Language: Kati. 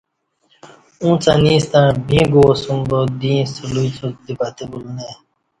اُݩڅ انیستݩع ویݩگ گواسوم با دی ایݩستہ لوئ څوڅ دی پتہ بولہ نہ ائی